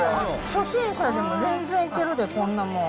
初心者でも全然いけるで、こんなもん。